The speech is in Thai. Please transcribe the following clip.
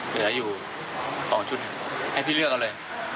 เหลืออยู่๒ชุดให้พี่เลือกเอาเลย